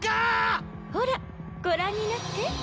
ほらご覧になって。